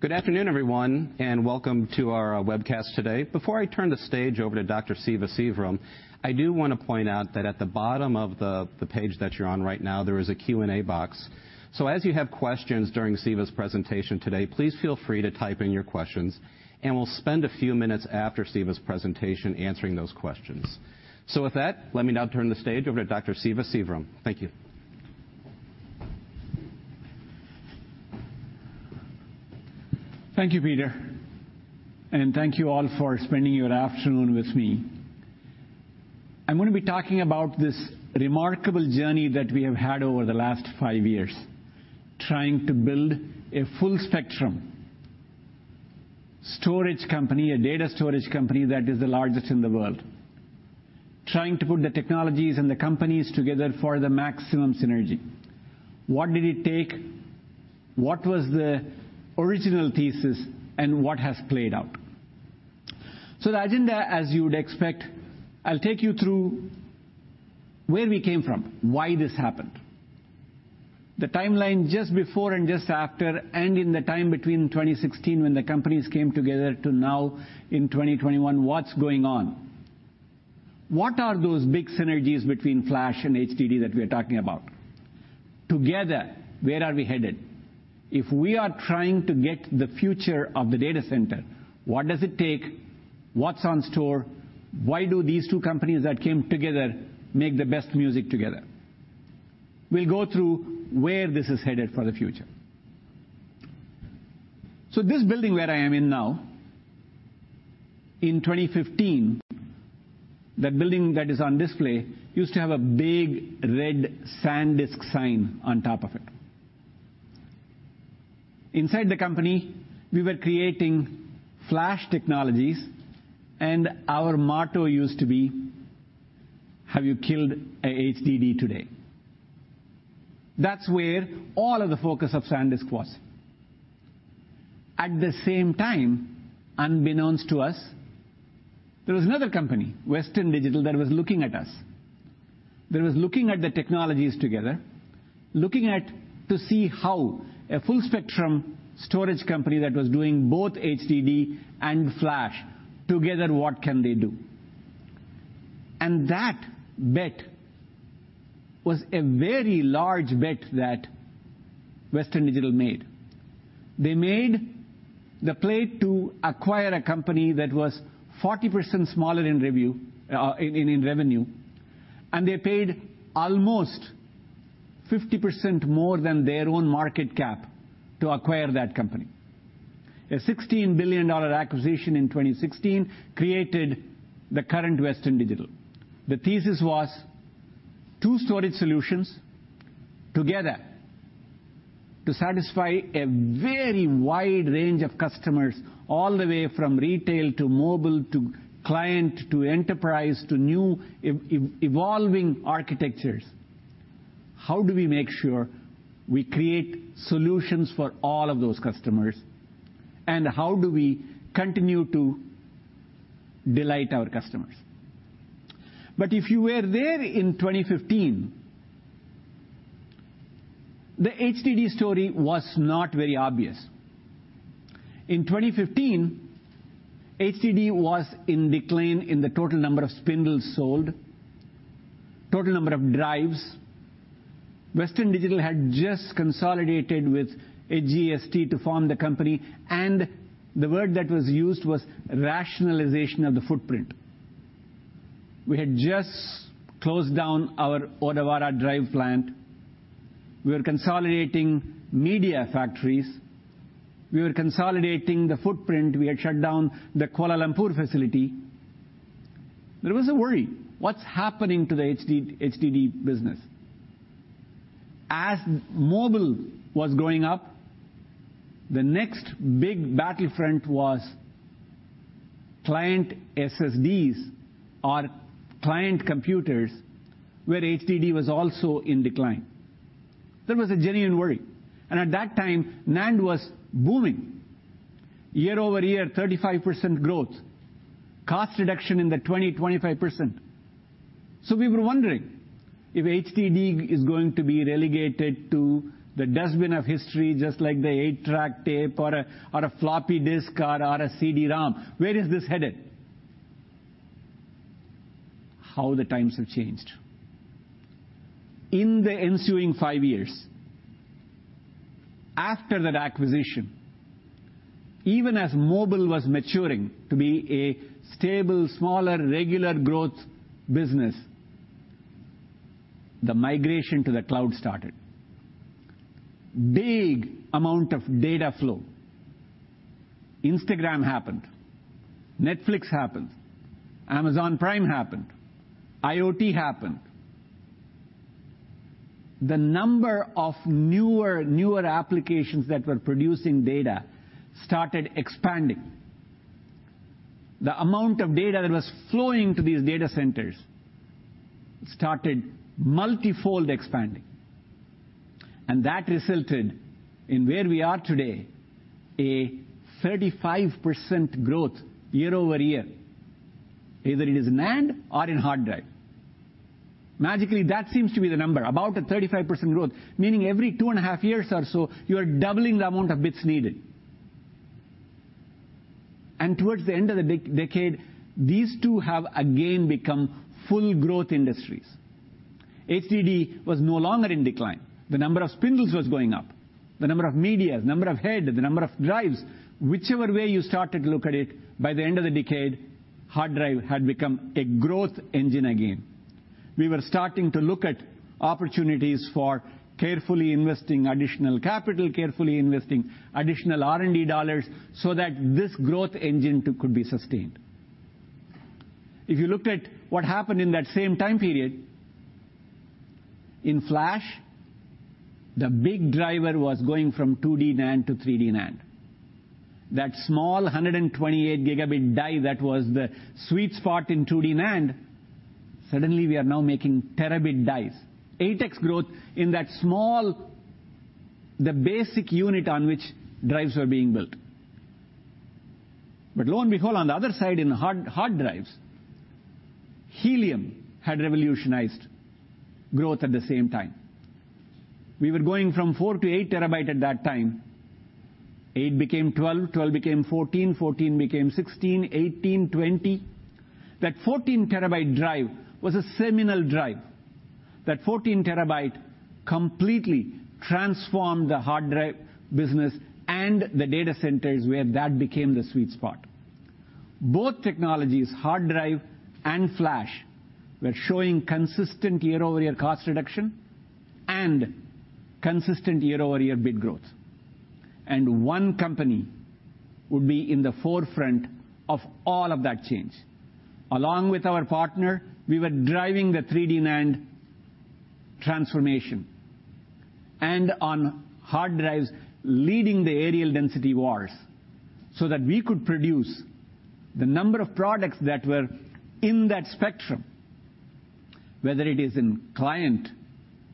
Good afternoon, everyone. Welcome to our webcast today. Before I turn the stage over to Dr. Siva Sivaram, I do want to point out that at the bottom of the page that you're on right now, there is a Q&A box. As you have questions during Siva's presentation today, please feel free to type in your questions, and we'll spend a few minutes after Siva's presentation answering those questions. With that, let me now turn the stage over to Dr. Siva Sivaram. Thank you. Thank you, Peter. Thank you all for spending your afternoon with me. I'm going to be talking about this remarkable journey that we have had over the last five years, trying to build a full-spectrum storage company, a data storage company that is the largest in the world. Trying to put the technologies and the companies together for the maximum synergy. What did it take? What was the original thesis, and what has played out? The agenda, as you would expect, I'll take you through where we came from, why this happened. The timeline just before and just after, and in the time between 2016 when the companies came together to now in 2021, what's going on? What are those big synergies between flash and HDD that we are talking about? Together, where are we headed? If we are trying to get the future of the data center, what does it take? What's in store? Why do these two companies that came together make the best music together? We'll go through where this is headed for the future. This building where I am in now, in 2015, that building that is on display used to have a big red SanDisk sign on top of it. Inside the company, we were creating flash technologies, and our motto used to be, "Have you killed a HDD today?" That's where all of the focus of SanDisk was. At the same time, unbeknownst to us, there was another company, Western Digital, that was looking at us. That was looking at the technologies together, looking to see how a full-spectrum storage company that was doing both HDD and flash, together what can they do? That bet was a very large bet that Western Digital made. They made the play to acquire a company that was 40% smaller in revenue, and they paid almost 50% more than their own market cap to acquire that company. A $16 billion acquisition in 2016 created the current Western Digital. The thesis was two storage solutions together to satisfy a very wide range of customers, all the way from retail to mobile, to client, to enterprise, to new evolving architectures. How do we make sure we create solutions for all of those customers, and how do we continue to delight our customers? If you were there in 2015, the HDD story was not very obvious. In 2015, HDD was in decline in the total number of spindles sold, total number of drives. Western Digital had just consolidated with HGST to form the company, and the word that was used was rationalization of the footprint. We had just closed down our Odawara drive plant. We were consolidating media factories. We were consolidating the footprint. We had shut down the Kuala Lumpur facility. There was a worry. What's happening to the HDD business? As mobile was growing up, the next big battlefront was client SSDs or client computers, where HDD was also in decline. There was a genuine worry, and at that time, NAND was booming. Year-over-year, 35% growth. Cost reduction in the 20%-25%. We were wondering if HDD is going to be relegated to the dustbin of history just like the 8-track tape or a floppy disk or a CD-ROM. Where is this headed? How the times have changed. In the ensuing five years, after that acquisition, even as mobile was maturing to be a stable, smaller, regular growth business, the migration to the cloud started. Big amount of data flow. Instagram happened. Netflix happened. Amazon Prime happened. IoT happened. The number of newer applications that were producing data started expanding. The amount of data that was flowing to these data centers started multifold expanding, and that resulted in where we are today, a 35% growth year-over-year, either it is NAND or in hard drive. Magically, that seems to be the number, about a 35% growth, meaning every 2.5 years or so, you are doubling the amount of bits needed. Towards the end of the decade, these two have again become full growth industries. HDD was no longer in decline. The number of spindles was going up, the number of medias, number of head, the number of drives, whichever way you started to look at it, by the end of the decade, hard drive had become a growth engine again. We were starting to look at opportunities for carefully investing additional capital, carefully investing additional R&D dollars so that this growth engine too could be sustained. If you looked at what happened in that same time period, in flash, the big driver was going from 2D NAND to 3D NAND. That small 128 Gb die that was the sweet spot in 2D NAND, suddenly we are now making terabit dies. 8x growth in that small, the basic unit on which drives are being built. Lo and behold, on the other side in hard drives, helium had revolutionized growth at the same time. We were going from four to 8 TB at that time. Eight became 12 became 14 became 16, 18, 20. That 14 terabyte drive was a seminal drive. That 14 TB completely transformed the hard drive business and the data centers where that became the sweet spot. Both technologies, hard drive and flash, were showing consistent year-over-year cost reduction and consistent year-over-year bit growth. One company would be in the forefront of all of that change. Along with our partner, we were driving the 3D NAND transformation, and on hard drives, leading the areal density wars so that we could produce the number of products that were in that spectrum. Whether it is in client,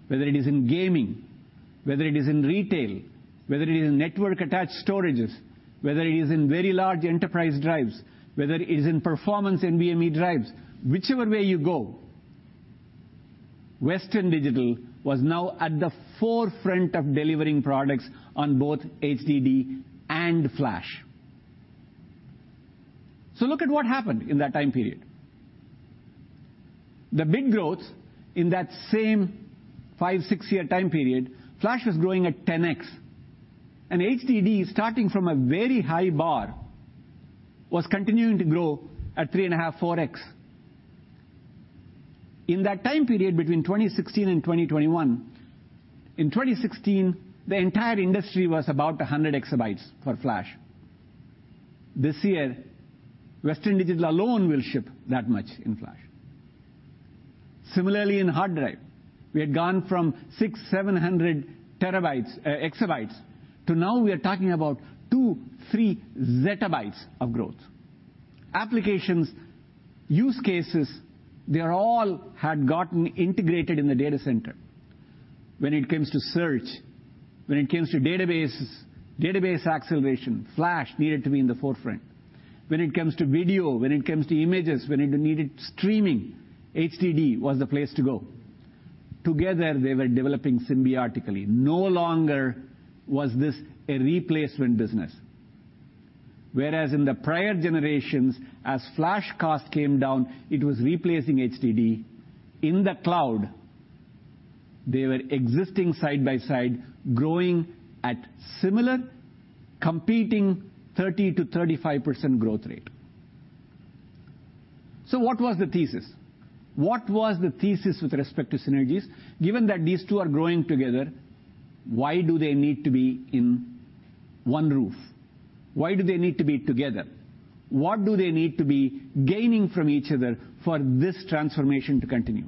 whether it is in gaming, whether it is in retail, whether it is in network-attached storages, whether it is in very large enterprise drives, whether it is in performance NVMe drives, whichever way you go, Western Digital was now at the forefront of delivering products on both HDD and flash. Look at what happened in that time period. The big growth in that same five, six-year time period, flash was growing at 10x. HDD, starting from a very high bar, was continuing to grow at 3.5, 4x. In that time period between 2016 and 2021, in 2016, the entire industry was about 100 EB for flash. This year, Western Digital alone will ship that much in flash. Similarly, in hard drive, we had gone from 600, 700 EB, to now we are talking about 2, 3 ZB of growth. Applications, use cases, they all had gotten integrated in the data center. When it comes to search, when it comes to databases, database acceleration, flash needed to be in the forefront. When it comes to video, when it comes to images, when it needed streaming, HDD was the place to go. Together, they were developing symbiotically. No longer was this a replacement business. Whereas in the prior generations, as flash cost came down, it was replacing HDD. In the cloud, they were existing side by side, growing at similar, competing 30%-35% growth rate. What was the thesis? What was the thesis with respect to synergies? Given that these two are growing together, why do they need to be in one roof? Why do they need to be together? What do they need to be gaining from each other for this transformation to continue?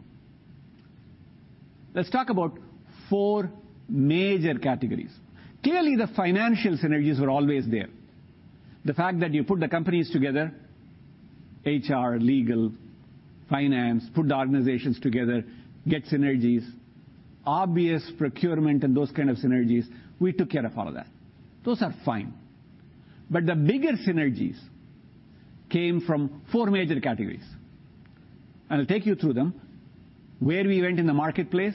Let's talk about four major categories. Clearly, the financial synergies were always there. The fact that you put the companies together, HR, legal, finance, put the organizations together, get synergies, obvious procurement and those kind of synergies, we took care of all of that. Those are fine. The bigger synergies came from four major categories. I'll take you through them, where we went in the marketplace,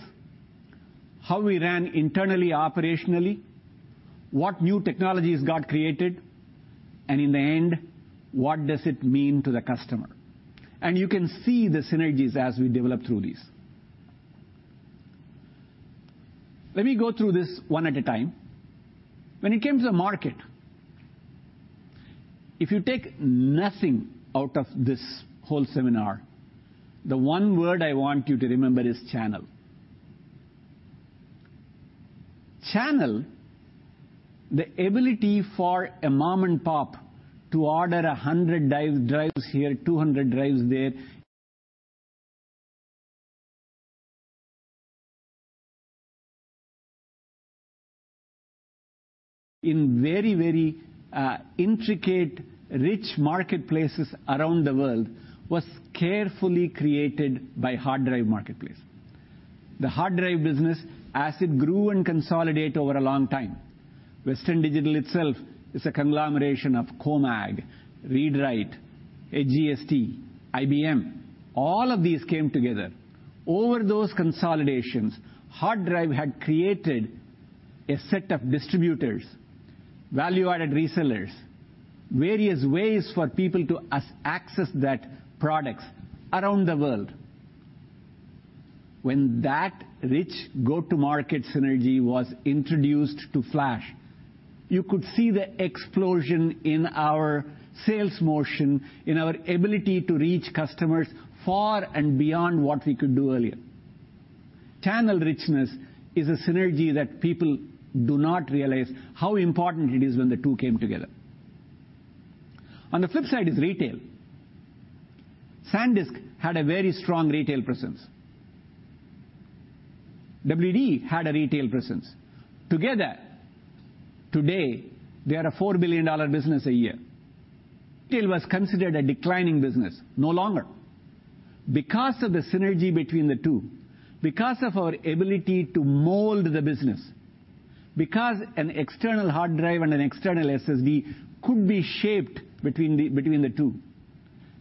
how we ran internally, operationally, what new technologies got created, and in the end, what does it mean to the customer? You can see the synergies as we develop through these. Let me go through this one at a time. When it came to the market, if you take nothing out of this whole seminar, the one word I want you to remember is channel. Channel, the ability for a mom and pop to order 100 drives here, 200 drives there. In very intricate, rich marketplaces around the world, was carefully created by hard drive marketplace. The hard drive business as it grew and consolidated over a long time. Western Digital itself is a conglomeration of Komag, Read-Rite, HGST, IBM, all of these came together. Over those consolidations, hard drive had created a set of distributors, value-added resellers, various ways for people to access those products around the world. When that rich go-to-market synergy was introduced to flash, you could see the explosion in our sales motion, in our ability to reach customers far and beyond what we could do earlier. Channel richness is a synergy that people do not realize how important it is when the two came together. On the flip side is retail. SanDisk had a very strong retail presence. WD had a retail presence. Together, today, they are a $4 billion business a year. Retail was considered a declining business, no longer. Because of the synergy between the two, because of our ability to mold the business, because an external hard drive and an external SSD could be shaped between the two,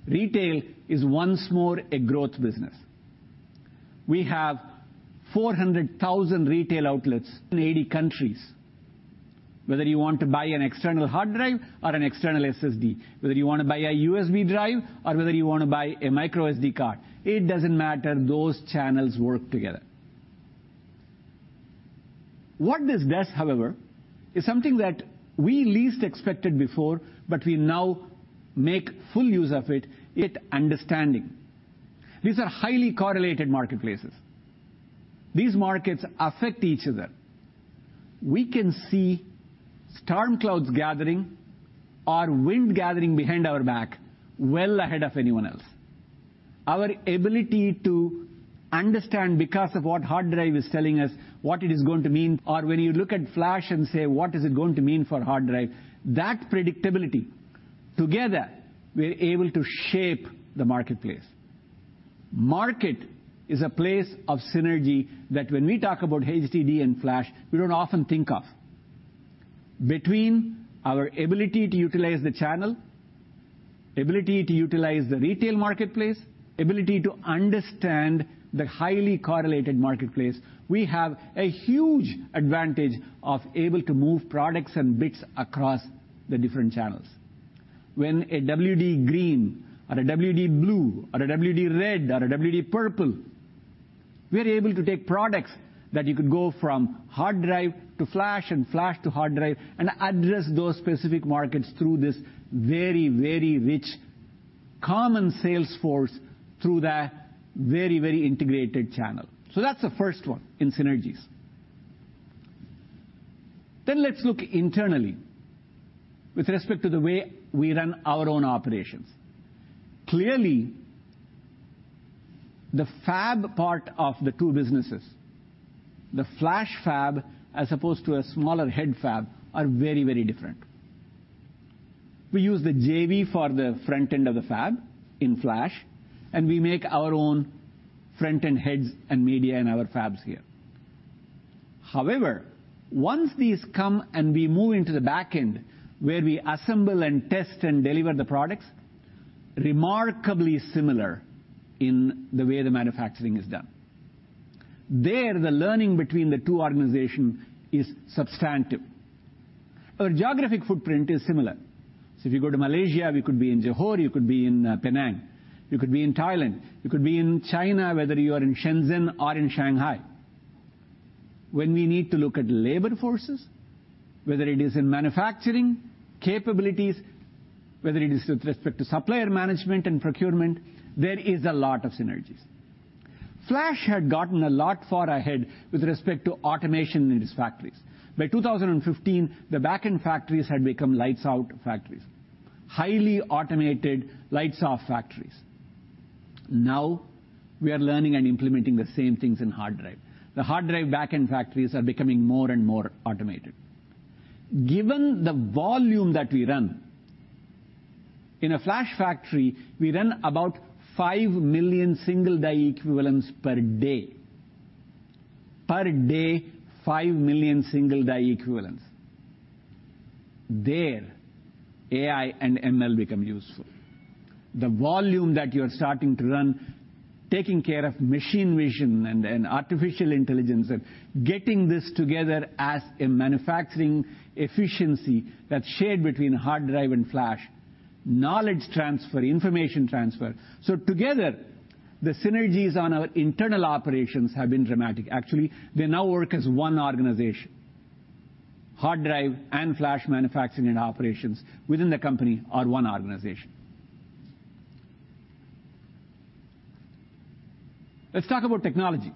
retail is once more a growth business. We have 400,000 retail outlets in 80 countries. Whether you want to buy an external hard drive or an external SSD, whether you want to buy a USB drive or whether you want to buy a microSD card, it doesn't matter, those channels work together. What this does, however, is something that we least expected before, but we now make full use of it, understanding. These are highly correlated marketplaces. These markets affect each other. We can see storm clouds gathering or wind gathering behind our back well ahead of anyone else. Our ability to understand because of what hard drive is telling us, what it is going to mean, or when you look at flash and say, "What is it going to mean for hard drive?" That predictability, together, we're able to shape the marketplace. Market is a place of synergy that when we talk about HDD and flash, we don't often think of. Between our ability to utilize the channel, ability to utilize the retail marketplace, ability to understand the highly correlated marketplace, we have a huge advantage of able to move products and bits across the different channels. When a WD Green or a WD Blue or a WD Red or a WD Purple, we're able to take products that you could go from hard drive to flash and flash to hard drive and address those specific markets through this very, very rich common sales force through the very, very integrated channel. That's the first one in synergies. Let's look internally with respect to the way we run our own operations. Clearly, the fab part of the two businesses, the flash fab, as opposed to a smaller head fab, are very, very different. We use the JV for the front end of the fab in flash, and we make our own front-end heads and media in our fabs here. However, once these come and we move into the back end, where we assemble and test and deliver the products, remarkably similar in the way the manufacturing is done. There, the learning between the two organization is substantive. Our geographic footprint is similar. If you go to Malaysia, we could be in Johor, you could be in Penang. You could be in Thailand. You could be in China, whether you are in Shenzhen or in Shanghai. When we need to look at labor forces, whether it is in manufacturing capabilities, whether it is with respect to supplier management and procurement, there is a lot of synergies. Flash had gotten a lot far ahead with respect to automation in its factories. By 2015, the back-end factories had become lights out factories. Highly automated lights out factories. We are learning and implementing the same things in hard drive. The hard drive back-end factories are becoming more and more automated. Given the volume that we run, in a flash factory, we run about five million single die equivalents per day. Per day, five million single die equivalents. There, AI and ML become useful. The volume that you're starting to run, taking care of machine vision and artificial intelligence and getting this together as a manufacturing efficiency that's shared between hard drive and flash, knowledge transfer, information transfer. Together, the synergies on our internal operations have been dramatic. Actually, they now work as one organization. Hard drive and flash manufacturing and operations within the company are one organization. Let's talk about technology,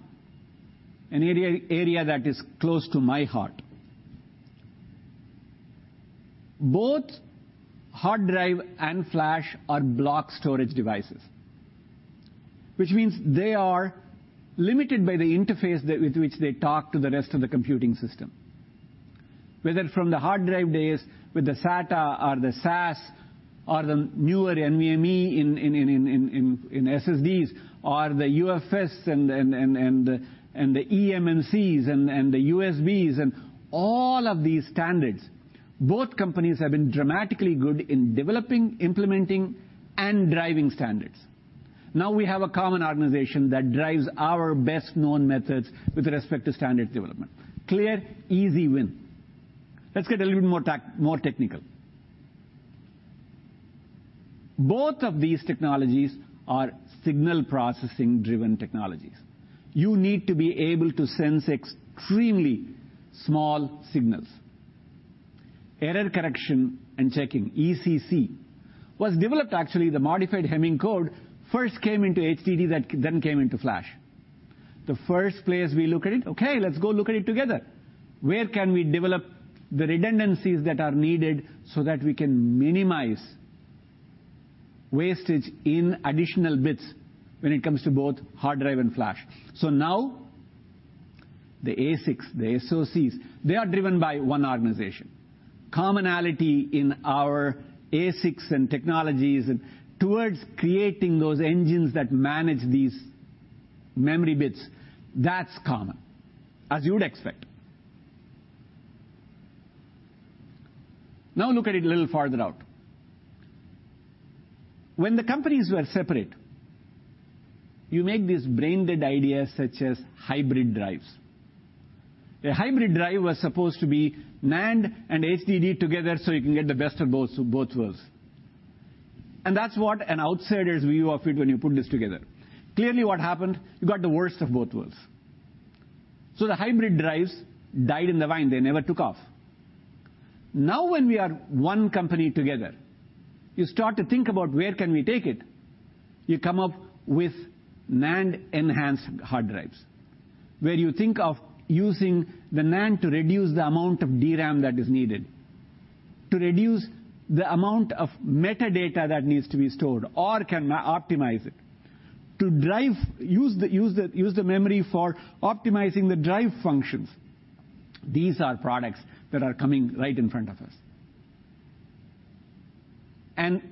an area that is close to my heart. Both hard drive and flash are block storage devices, which means they are limited by the interface with which they talk to the rest of the computing system. Whether from the hard drive days with the SATA or the SAS or the newer NVMe in SSDs or the UFS and the eMMCs and the USBs and all of these standards, both companies have been dramatically good in developing, implementing, and driving standards. Now we have a common organization that drives our best-known methods with respect to standard development. Clear, easy win. Let's get a little bit more technical. Both of these technologies are signal processing-driven technologies. You need to be able to sense extremely small signals. Error Correction and Checking, ECC, was developed, actually, the modified Hamming code first came into HDD that then came into flash. The first place we look at it, okay, let's go look at it together. Where can we develop the redundancies that are needed so that we can minimize wastage in additional bits when it comes to both hard drive and flash? Now, the ASICs, the SoCs, they are driven by one organization. Commonality in our ASICs and technologies and towards creating those engines that manage these memory bits, that's common, as you would expect. Now look at it a little farther out. When the companies were separate, you make these brain-dead ideas such as hybrid drives. A hybrid drive was supposed to be NAND and HDD together so you can get the best of both worlds. That's what an outsider's view of it when you put this together. Clearly what happened, you got the worst of both worlds. The hybrid drives died on the vine. They never took off. When we are one company together, you start to think about where can we take it. You come up with NAND-enhanced hard drives, where you think of using the NAND to reduce the amount of DRAM that is needed, to reduce the amount of metadata that needs to be stored or can optimize it, to use the memory for optimizing the drive functions. These are products that are coming right in front of us.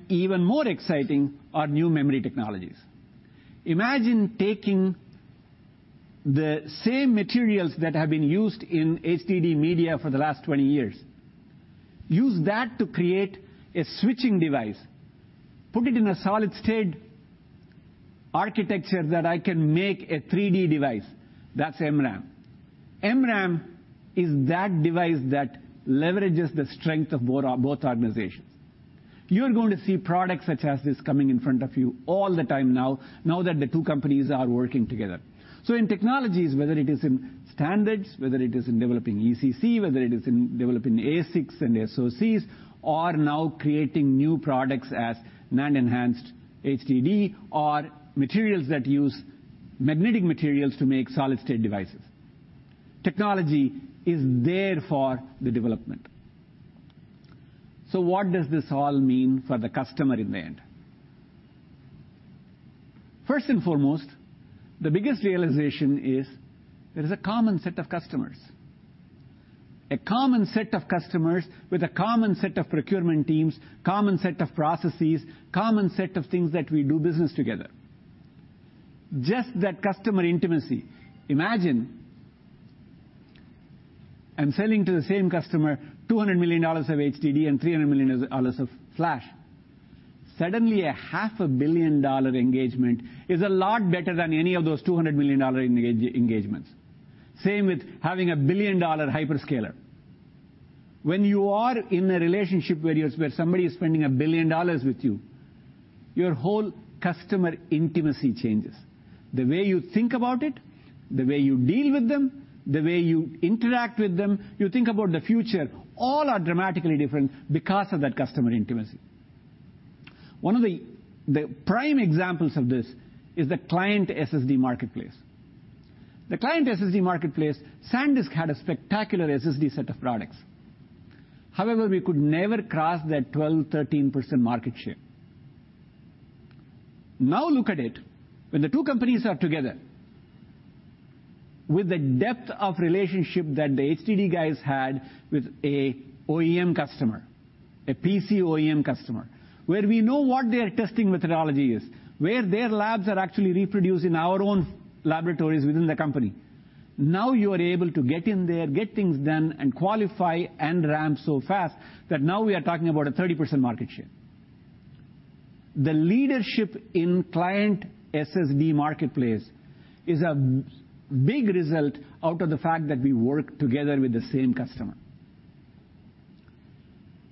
Even more exciting are new memory technologies. Imagine taking the same materials that have been used in HDD media for the last 20 years, use that to create a switching device, put it in a solid state architecture that I can make a 3D device. That's MRAM. MRAM is that device that leverages the strength of both organizations. You're going to see products such as this coming in front of you all the time now that the two companies are working together. In technologies, whether it is in standards, whether it is in developing ECC, whether it is in developing ASICs and SoCs, or now creating new products as NAND-enhanced HDD or materials that use magnetic materials to make solid state devices. Technology is there for the development. What does this all mean for the customer in the end? First and foremost, the biggest realization is there is a common set of customers. A common set of customers with a common set of procurement teams, common set of processes, common set of things that we do business together. Just that customer intimacy. Imagine I'm selling to the same customer $200 million of HDD and $300 million of flash. Suddenly a $500 million engagement is a lot better than any of those $200 million engagements. Same with having a $1 billion hyperscaler. When you are in a relationship where somebody is spending $1 billion with you, your whole customer intimacy changes. The way you think about it, the way you deal with them, the way you interact with them, you think about the future, all are dramatically different because of that customer intimacy. One of the prime examples of this is the client SSD marketplace. The client SSD marketplace, SanDisk had a spectacular SSD set of products. However, we could never cross that 12%, 13% market share. Now look at it when the two companies are together, with the depth of relationship that the HDD guys had with a OEM customer, a PC OEM customer, where we know what their testing methodology is, where their labs are actually reproduced in our own laboratories within the company. Now you are able to get in there, get things done, and qualify and ramp so fast that now we are talking about a 30% market share. The leadership in client SSD marketplace is a big result out of the fact that we work together with the same customer.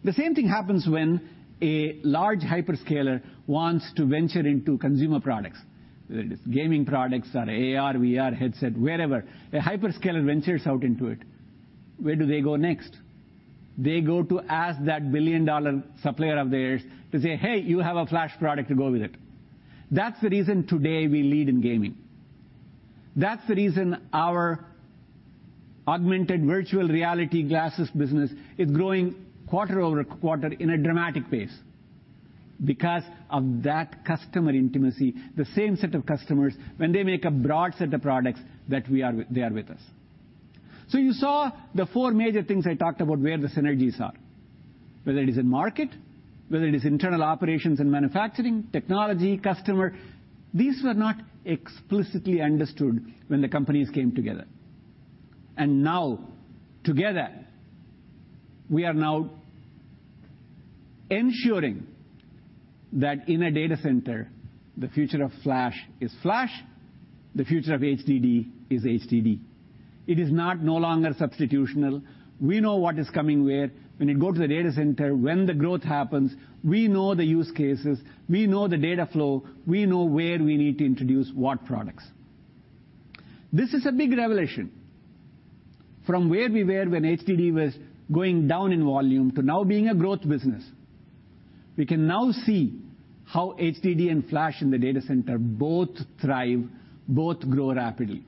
The same thing happens when a large hyperscaler wants to venture into consumer products, whether it is gaming products or AR, VR headset, wherever. A hyperscaler ventures out into it. Where do they go next? They go to ask that $1 billion supplier of theirs to say, "Hey, you have a flash product to go with it." That's the reason today we lead in gaming. That's the reason our augmented virtual reality glasses business is growing quarter-over-quarter in a dramatic pace. Of that customer intimacy, the same set of customers, when they make a broad set of products, they are with us. You saw the four major things I talked about where the synergies are. Whether it is in market, whether it is internal operations and manufacturing, technology, customer, these were not explicitly understood when the companies came together. Now, together, we are now ensuring that in a data center, the future of flash is flash, the future of HDD is HDD. It is no longer substitutional. We know what is coming where. When you go to the data center, when the growth happens, we know the use cases, we know the data flow, we know where we need to introduce what products. This is a big revelation. From where we were when HDD was going down in volume to now being a growth business. We can now see how HDD and flash in the data center both thrive, both grow rapidly.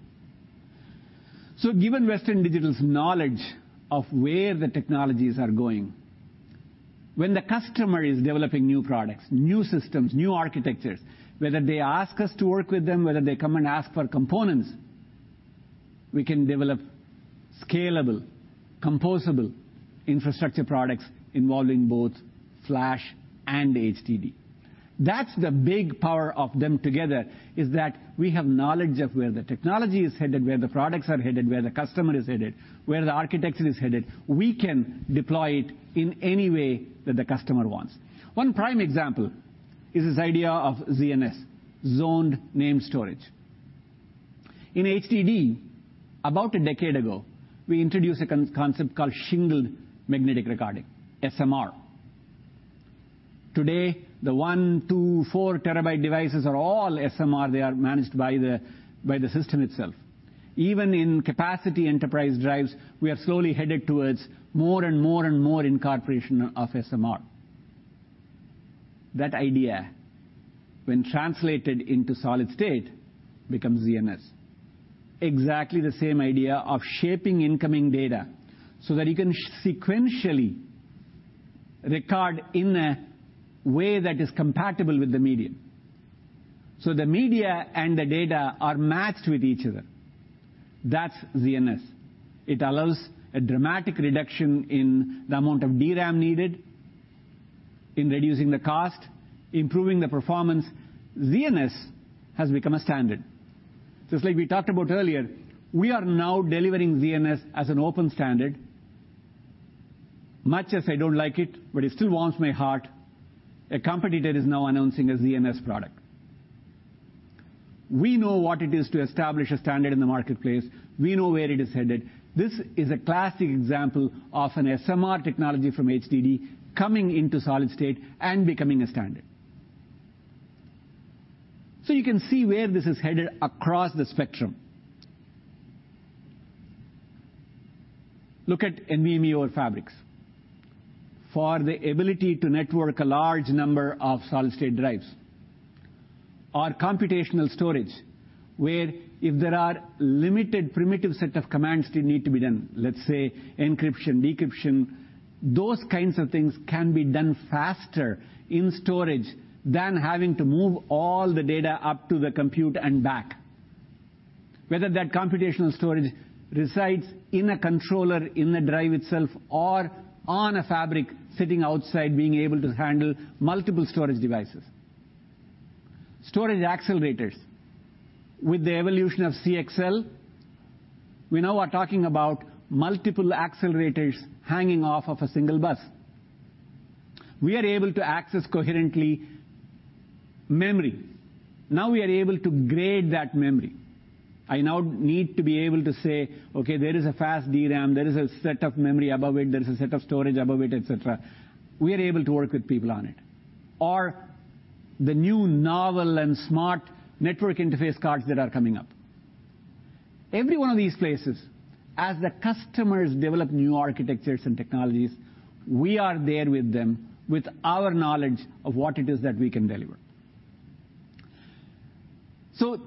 Given Western Digital's knowledge of where the technologies are going, when the customer is developing new products, new systems, new architectures, whether they ask us to work with them, whether they come and ask for components, we can develop scalable, composable infrastructure products involving both flash and HDD. That's the big power of them together, is that we have knowledge of where the technology is headed, where the products are headed, where the customer is headed, where the architecture is headed. We can deploy it in any way that the customer wants. One prime example is this idea of ZNS, Zoned Namespace Storage. In HDD, about a decade ago, we introduced a concept called Shingled Magnetic Recording, SMR. Today, the 1, 2, 4 TB devices are all SMR. They are managed by the system itself. Even in capacity enterprise drives, we are slowly headed towards more and more incorporation of SMR. That idea, when translated into solid state, becomes ZNS. Exactly the same idea of shaping incoming data so that you can sequentially record in a way that is compatible with the medium. The media and the data are matched with each other. That's ZNS. It allows a dramatic reduction in the amount of DRAM needed, in reducing the cost, improving the performance. ZNS has become a standard. Just like we talked about earlier, we are now delivering ZNS as an open standard. Much as I don't like it, but it still warms my heart, a competitor is now announcing a ZNS product. We know what it is to establish a standard in the marketplace. We know where it is headed. This is a classic example of an SMR technology from HDD coming into solid state and becoming a standard. You can see where this is headed across the spectrum. Look at NVMe over Fabrics. For the ability to network a large number of solid-state drives. Computational storage, where if there are limited primitive set of commands that need to be done, let's say encryption, decryption, those kinds of things can be done faster in storage than having to move all the data up to the computer and back. Whether that computational storage resides in a controller, in a drive itself, or on a fabric sitting outside being able to handle multiple storage devices. Storage accelerators. With the evolution of CXL, we now are talking about multiple accelerators hanging off of a single bus. We are able to access coherently memory. We are able to grade that memory. I now need to be able to say, okay, there is a fast DRAM, there is a set of memory above it, there is a set of storage above it, et cetera. We are able to work with people on it. The new novel and smart network interface cards that are coming up. Every one of these places, as the customers develop new architectures and technologies, we are there with them with our knowledge of what it is that we can deliver.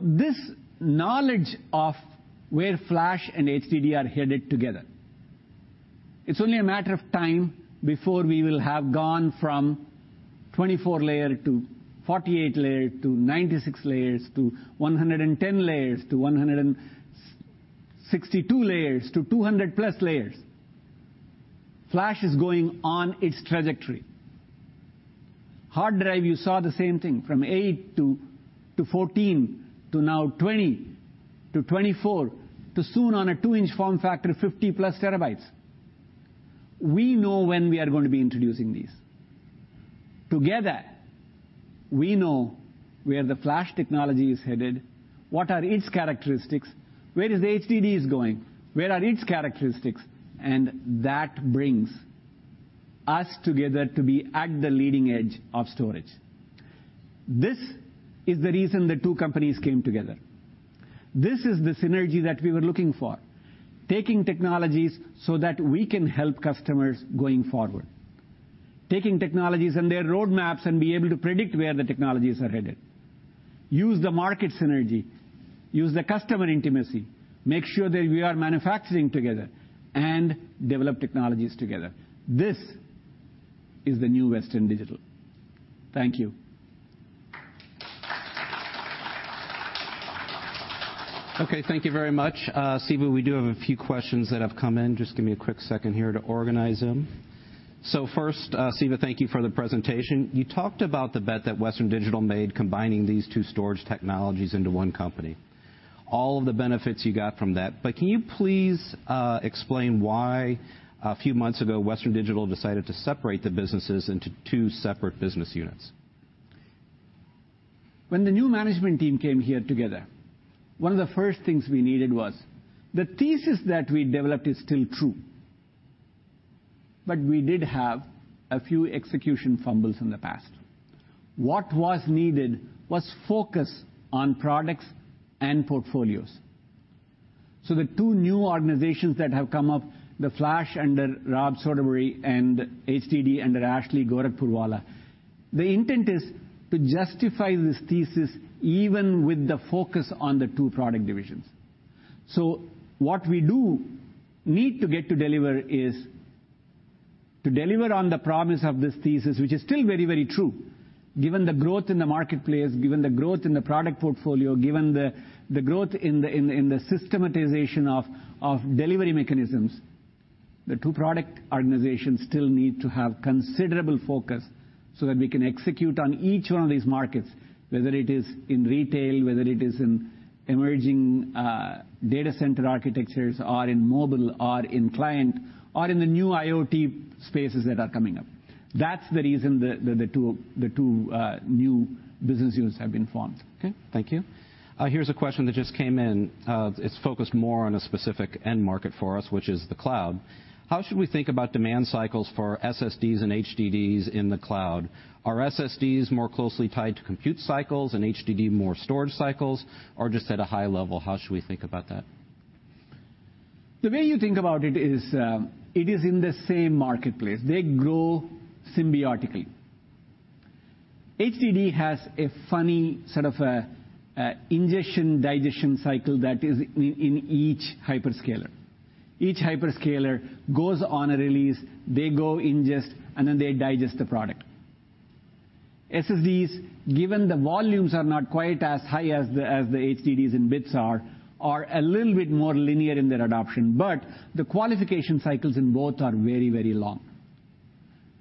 This knowledge of where flash and HDD are headed together, it's only a matter of time before we will have gone from 24-layer to 48-layer to 96 layers to 110 layers to 162 layers to 200+ layers. Flash is going on its trajectory. Hard drive, you saw the same thing, from eight to 14, to now 20 to 24, to soon on a two-inch form factor, 50+ TB. We know when we are going to be introducing these. Together, we know where the flash technology is headed, what are its characteristics, where is the HDDs going, where are its characteristics, and that brings us together to be at the leading edge of storage. This is the reason the two companies came together. This is the synergy that we were looking for, taking technologies so that we can help customers going forward. Taking technologies and their roadmaps and be able to predict where the technologies are headed. Use the market synergy, use the customer intimacy, make sure that we are manufacturing together, and develop technologies together. This is the new Western Digital. Thank you. Okay. Thank you very much. Siva, we do have a few questions that have come in. Just give me a quick second here to organize them. First, Siva, thank you for the presentation. You talked about the bet that Western Digital made combining these two storage technologies into one company, all of the benefits you got from that. Can you please explain why a few months ago, Western Digital decided to separate the businesses into two separate business units? When the new management team came here together, one of the first things we needed was, the thesis that we developed is still true, but we did have a few execution fumbles in the past. What was needed was focus on products and portfolios. The two new organizations that have come up, the Flash under Rob Soderbery and HDD under Ashley Gorakhpurwalla, the intent is to justify this thesis even with the focus on the two product divisions. What we do need to get to deliver is to deliver on the promise of this thesis, which is still very, very true given the growth in the marketplace, given the growth in the product portfolio, given the growth in the systematization of delivery mechanisms. The two product organizations still need to have considerable focus so that we can execute on each one of these markets, whether it is in retail, whether it is in emerging data center architectures, or in mobile, or in client, or in the new IoT spaces that are coming up. That's the reason that the two new business units have been formed. Okay. Thank you. Here's a question that just came in. It's focused more on a specific end market for us, which is the cloud. How should we think about demand cycles for SSDs and HDDs in the cloud? Are SSDs more closely tied to compute cycles and HDD more storage cycles? Just at a high level, how should we think about that? The way you think about it is, it is in the same marketplace. They grow symbiotically. HDD has a funny sort of ingestion-digestion cycle that is in each hyperscaler. Each hyperscaler goes on a release, they go ingest, and then they digest the product. SSDs, given the volumes are not quite as high as the HDDs and bits are a little bit more linear in their adoption. The qualification cycles in both are very, very long.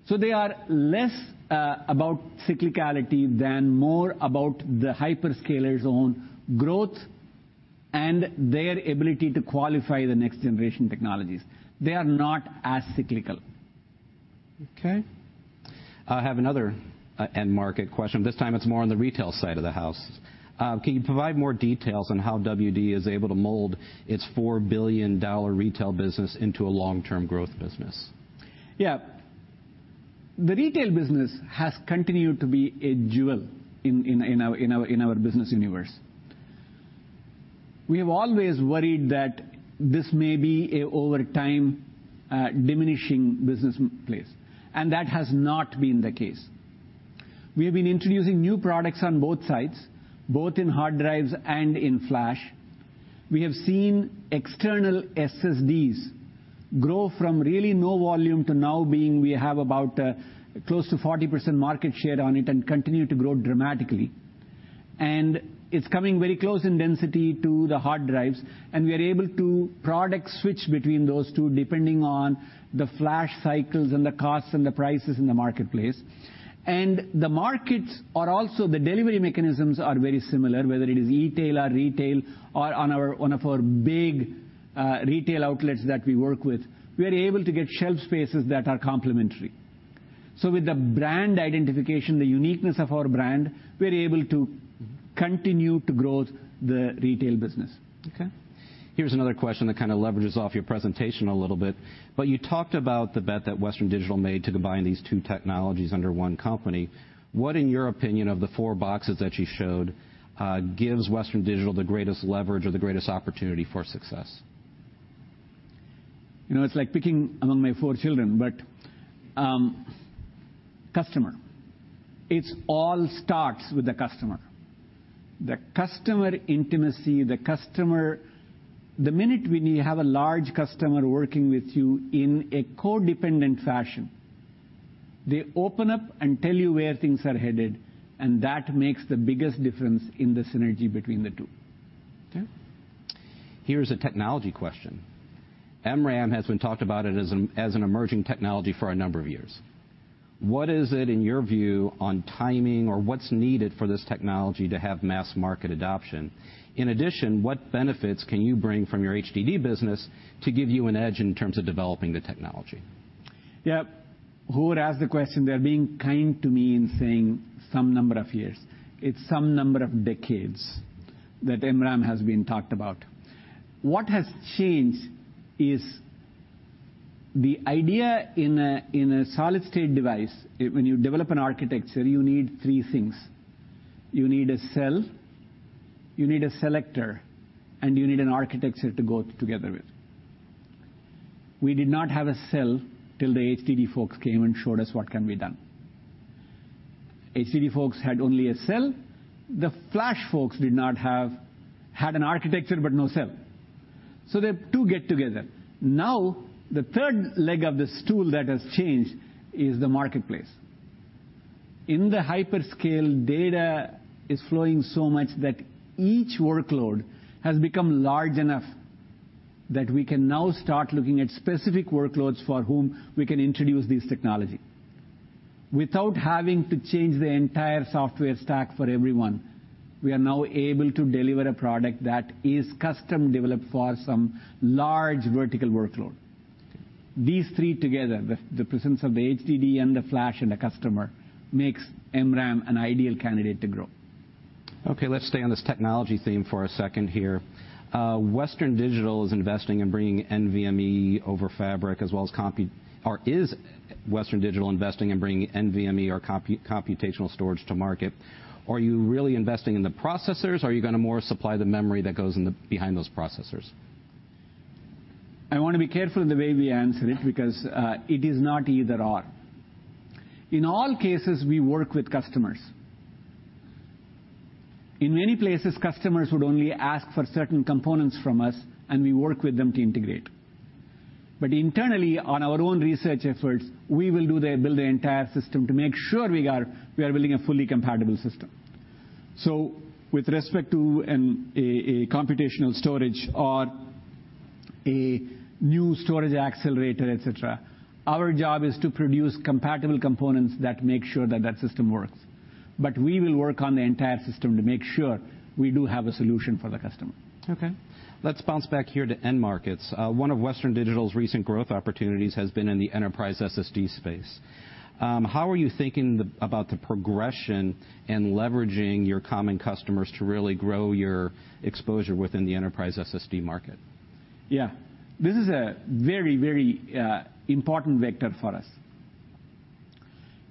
They are less about cyclicality than more about the hyperscaler's own growth and their ability to qualify the next-generation technologies. They are not as cyclical. Okay. I have another end market question. This time it's more on the retail side of the house. Can you provide more details on how WD is able to mold its $4 billion retail business into a long-term growth business? Yeah. The retail business has continued to be a jewel in our business universe. We have always worried that this may be a, over time, diminishing business place, and that has not been the case. We have been introducing new products on both sides, both in hard drives and in flash. We have seen external SSDs grow from really no volume to now being, we have about close to 40% market share on it and continue to grow dramatically. It's coming very close in density to the hard drives, and we are able to product switch between those two depending on the flash cycles and the costs and the prices in the marketplace. The markets are also, the delivery mechanisms are very similar, whether it is e-tail or retail or on our big retail outlets that we work with. We are able to get shelf spaces that are complementary. With the brand identification, the uniqueness of our brand, we're able to continue to grow the retail business. Okay. Here's another question that kind of leverages off your presentation a little bit. You talked about the bet that Western Digital made to combine these two technologies under one company. What, in your opinion, of the four boxes that you showed, gives Western Digital the greatest leverage or the greatest opportunity for success? It's like picking among my four children, but customer, it's all starts with the customer, the customer intimacy. The minute when you have a large customer working with you in a co-dependent fashion, they open up and tell you where things are headed, and that makes the biggest difference in the synergy between the two. Here's a technology question. MRAM has been talked about as an emerging technology for a number of years. What is it, in your view, on timing, or what's needed for this technology to have mass market adoption? In addition, what benefits can you bring from your HDD business to give you an edge in terms of developing the technology? Yeah. Who would ask the question, they're being kind to me in saying some number of years. It's some number of decades that MRAM has been talked about. What has changed is the idea in a solid state device, when you develop an architecture, you need three things. You need a cell, you need a selector, and you need an architecture to go together with. We did not have a cell till the HDD folks came and showed us what can be done. HDD folks had only a cell. The flash folks had an architecture, but no cell. The two get together. Now, the third leg of the stool that has changed is the marketplace. In the hyperscale, data is flowing so much that each workload has become large enough that we can now start looking at specific workloads for whom we can introduce this technology. Without having to change the entire software stack for everyone, we are now able to deliver a product that is custom developed for some large vertical workload. These three together, the presence of the HDD and the flash and the customer, makes MRAM an ideal candidate to grow. Okay, let's stay on this technology theme for a second here. Western Digital is investing in bringing NVMe over Fabrics, or is Western Digital investing in bringing NVMe or computational storage to market? Are you really investing in the processors, or are you going to more supply the memory that goes behind those processors? I want to be careful in the way we answer it, because it is not either/or. In all cases, we work with customers. In many places, customers would only ask for certain components from us, and we work with them to integrate. Internally, on our own research efforts, we will build the entire system to make sure we are building a fully compatible system. With respect to a computational storage or a new storage accelerator, et cetera, our job is to produce compatible components that make sure that that system works. We will work on the entire system to make sure we do have a solution for the customer. Okay. Let's bounce back here to end markets. One of Western Digital's recent growth opportunities has been in the enterprise SSD space. How are you thinking about the progression and leveraging your common customers to really grow your exposure within the enterprise SSD market? Yeah. This is a very important vector for us.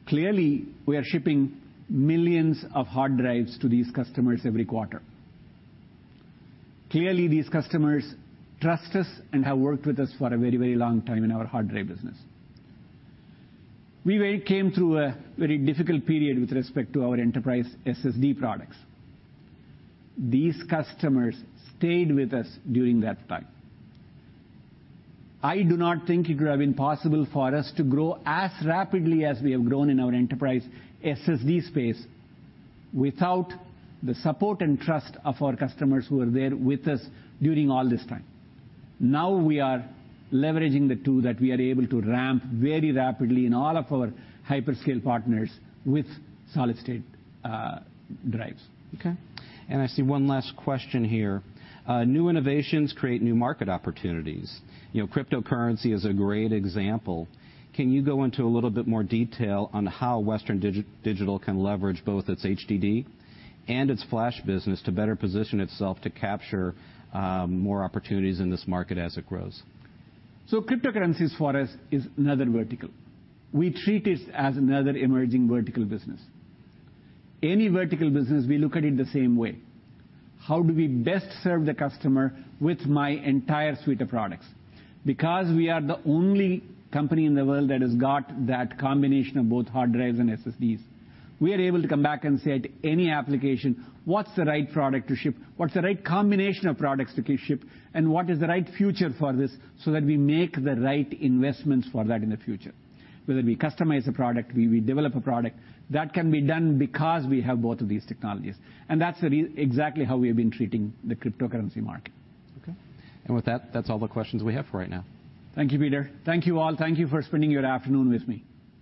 Clearly, we are shipping millions of hard drives to these customers every quarter. Clearly, these customers trust us and have worked with us for a very long time in our hard drive business. We came through a very difficult period with respect to our enterprise SSD products. These customers stayed with us during that time. I do not think it would have been possible for us to grow as rapidly as we have grown in our enterprise SSD space without the support and trust of our customers who were there with us during all this time. Now we are leveraging the that we are able to ramp very rapidly in all of our hyperscale partners with solid-state drives. Okay. I see one last question here. New innovations create new market opportunities. Cryptocurrency is a great example. Can you go into a little bit more detail on how Western Digital can leverage both its HDD and its flash business to better position itself to capture more opportunities in this market as it grows? Cryptocurrencies for us is another vertical. We treat it as another emerging vertical business. Any vertical business, we look at it the same way. How do we best serve the customer with my entire suite of products? Because we are the only company in the world that has got that combination of both hard drives and SSDs, we are able to come back and say to any application, what's the right product to ship, what's the right combination of products to ship, and what is the right future for this so that we make the right investments for that in the future. Whether we customize a product, we develop a product. That can be done because we have both of these technologies, and that's exactly how we have been treating the cryptocurrency market. Okay. With that's all the questions we have for right now. Thank you, Peter. Thank you all. Thank you for spending your afternoon with me.